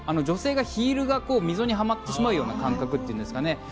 女性が、ヒールが溝にはまってしまうような感覚というんですかね。